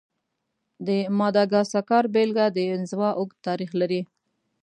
د ماداګاسکار بېلګه د انزوا اوږد تاریخ لري.